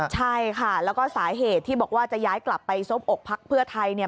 ใช่ค่ะแล้วก็สาเหตุที่บอกว่าจะย้ายกลับไปซบอกพักเพื่อไทย